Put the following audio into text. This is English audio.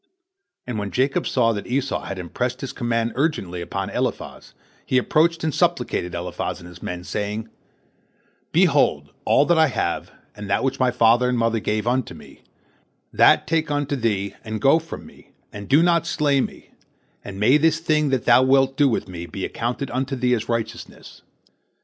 And when Jacob saw that Esau had impressed his command urgently upon Eliphaz, he approached and supplicated Eliphaz and his men, saying, "Behold, all that I have, and that which my father and mother gave unto me, that take unto thee and go from me, and do not slay me, and may this thing that thou wilt do with me be accounted unto thee as righteousness."